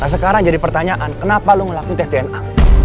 dan sekarang jadi pertanyaan kenapa lu ngelakuin tes dna